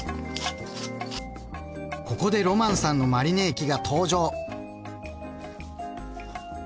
ここでロマンさんのマリネ液が登場。